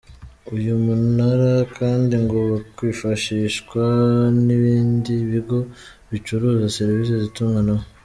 Uyu munara kandi ngo wakwifashishwa n’ibindi bigo bicuruza serivisi z’itumanaho.